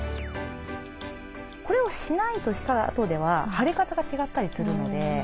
これをしないとしたあとでは腫れ方が違ったりするので。